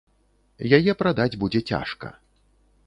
Яе прадаць будзе цяжка.